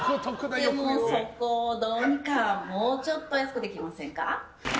でもそこをどうにかもうちょっと安くできませんか。